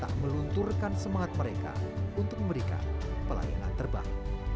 tak melunturkan semangat mereka untuk memberikan pelayanan terbang